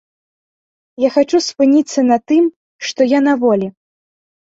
Я хачу спыніцца на тым, што я на волі.